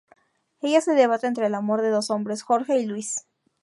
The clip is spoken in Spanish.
Ella se debate entre el amor de dos hombres: Jorge y Luis.